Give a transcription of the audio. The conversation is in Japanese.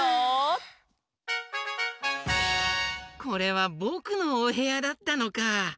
これはぼくのおへやだったのか！